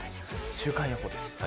週間予報です。